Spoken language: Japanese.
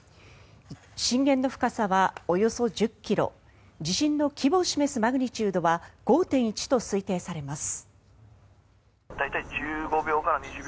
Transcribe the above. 震源の深さはおよそ１０ｋｍ地震の規模を示すマグニチュードは５．１と推定されます。